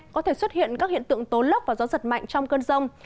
có thể xuất hiện các hiện tượng tố lốc và gió giật mạnh trong cơn rông